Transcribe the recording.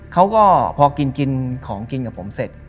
เขาก็พอกินกินของกินกับผมเสร็จ